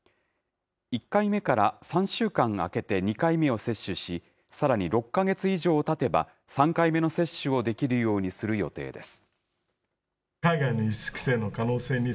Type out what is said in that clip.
１回目から３週間空けて２回目を接種し、さらに６か月以上たてば３回目の接種をできるようにする予定です。